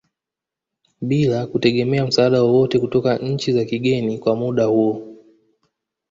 Bila kutegemea msaada wowote kutoka nchi za kigeni kwa muda huo